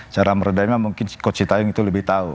cara meredamnya mungkin coach sinta yung itu lebih tahu